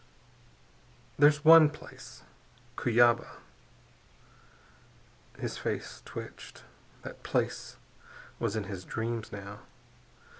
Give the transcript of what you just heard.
There's one place, Cuyaba...." His face twitched. That place was in his dreams, now.